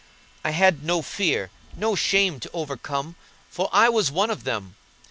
I had no fear, no shame to overcome, for I was one of them.